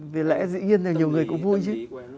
vì lẽ dĩ nhiên là nhiều người cũng vui chứ